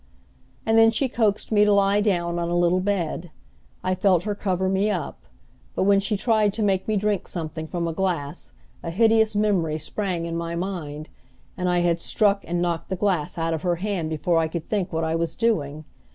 And then she coaxed me to lie down on a little bed. I felt her cover me up; but when she tried to make me drink something from a glass a hideous memory sprang in my mind, and I had struck and knocked the glass out of her hand before I could think what I was doing.